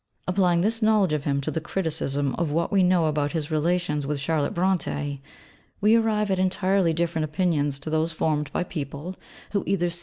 Applying this knowledge of him to the criticism of what we know about his relations with Charlotte Brontë, we arrive at entirely different opinions to those formed by people who either see M.